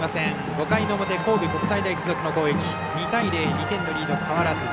５回の表、神戸国際大付属の攻撃２対０、２点のリード変わらず。